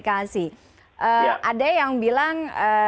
ada yang bilang